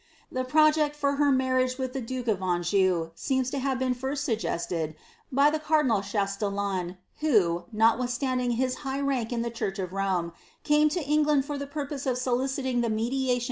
The project for her n»r riage with the duke of Anjou seems lo have been fir« suggested by the cardinal Chasiillon, who, notwithstanding his high rank in the chuieb of Rome, came to England for the purpose of soliciting the iiiediation > Seciel Memotial of M.